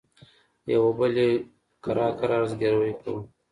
يوه بل يې کرار کرار زګيروي کول.